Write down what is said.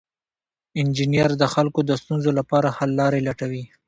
انجینر د خلکو د ستونزو لپاره حل لارې لټوي.